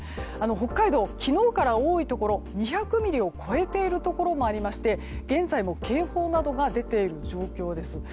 北海道、昨日から多いところ２００ミリを超えているところもありまして現在も警報などが出ている状況です。